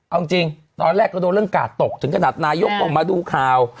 เอาจริงตอนแรกเราโดนเรื่องกาดตกถึงขนาดนายกออกมาดูข่าว